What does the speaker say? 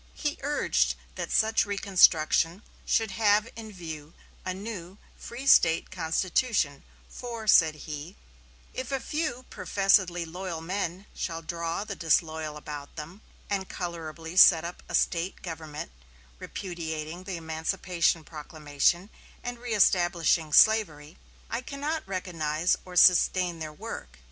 He urged that such reconstruction should have in view a new free State constitution, for, said he: "If a few professedly loyal men shall draw the disloyal about them, and colorably set up a State government repudiating the emancipation proclamation and reëstablishing slavery, I cannot recognize or sustain their work....